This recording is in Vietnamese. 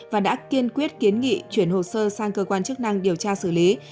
và đã kiên quyết kiến nghị chuyển hồ sơ sang cơ quan chức năng điều tra xử lý